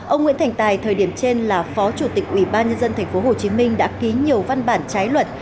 ông nguyễn thành tài thời điểm trên là phó chủ tịch ubnd tp hcm đã ký nhiều văn bản trái luật